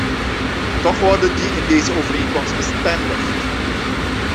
Toch worden die in deze overeenkomst bestendigd.